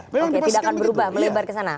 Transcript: oke tidak akan berubah melebar ke sana